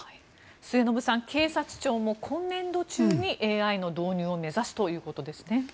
末延さん、警察庁も今年度中にＡＩの導入を目指すということです。